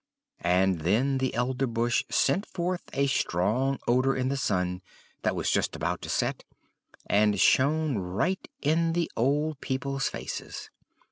And the Elderbush sent forth a strong odour in the sun, that was just about to set, and shone right in the old people's faces.